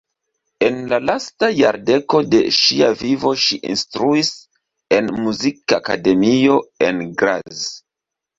En la lasta jardeko de ŝia vivo ŝi instruis en muzikakademio en Graz.